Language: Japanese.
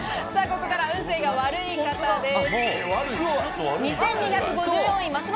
ここからは運勢が悪い方です。